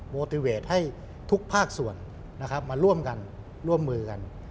โอติเวทให้ทุกภาคส่วนนะครับมาร่วมกันร่วมมือกัน